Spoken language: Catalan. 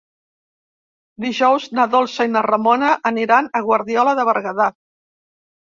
Dijous na Dolça i na Ramona aniran a Guardiola de Berguedà.